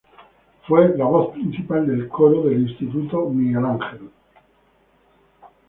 Fue la voz principal del coro del Instituto Miguel Ángel.